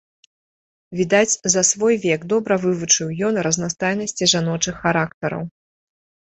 Відаць, за свой век добра вывучыў ён разнастайнасці жаночых характараў.